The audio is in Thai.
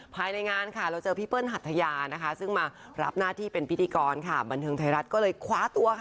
ภายในงานค่ะเราเจอพี่เปิ้ลหัทยานะคะซึ่งมารับหน้าที่เป็นพิธีกรค่ะบันเทิงไทยรัฐก็เลยคว้าตัวค่ะ